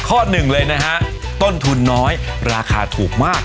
ข้อหนึ่งเลยนะฮะต้นทุนน้อยราคาถูกมาก